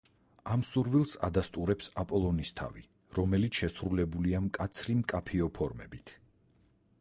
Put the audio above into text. ამ სურვილს ადასტურებს „აპოლონის თავი“, რომელიც შესრულებულია მკაცრი, მკაფიო ფორმებით.